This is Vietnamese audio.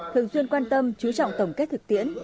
thường xuyên quan tâm chú trọng tổng kết thực tiễn